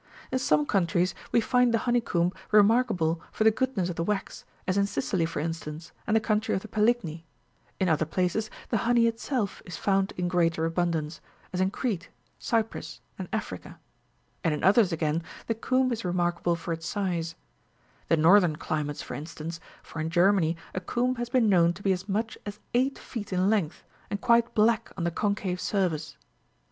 In some countries we find the honey comb remarkable for the goodness of the wax, as in Sicily, for instance, and the country of the Peligni ; in other places the honey itself is found in greater abundance, as in Crete, Cyprus, and Africa ; and in others, again, the comb is remarkable for its size ; the northern climates, for instance, for in Germany a comb has been known to be as much as eight feet in length, and quite black on the concave surface.